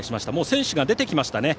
選手が出てきましたね。